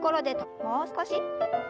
もう少し。